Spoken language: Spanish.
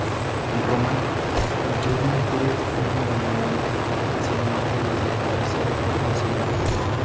En Roma, los dos mártires fueron venerados oficialmente desde el tercer o cuarto siglo.